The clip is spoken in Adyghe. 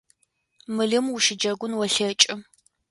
Мылым ущыджэгун олъэкӏы.